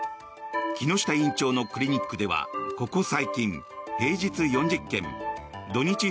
木下院長のクリニックではここ最近平日４０件土日